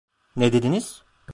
Ne dediniz?